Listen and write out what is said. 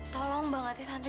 tolong banget ya tante